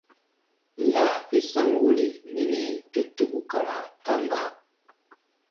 Lah fe sa̧w woyri mini tu tuku kara ta mba.